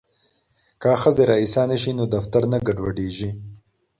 که ښځې ریسانې شي نو دفتر نه ګډوډیږي.